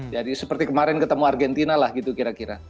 jadi seperti kemarin ketemu argentina lah gitu kira kira